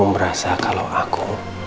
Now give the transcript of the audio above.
merasa kalau aku